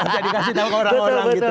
jadi kasih tau ke orang orang gitu